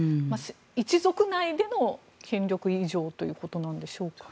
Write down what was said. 一族内での権力移譲ということなんでしょうか。